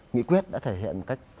nghị quyết đã thể hiện một cách